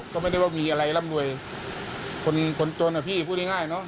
ก็ไม่ได้ว่ามีอะไรร่ำรวยคนคนจนอะพี่พูดง่ายเนอะ